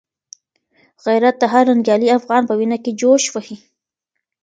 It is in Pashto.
غیرت د هر ننګیالي افغان په وینه کي جوش وهي.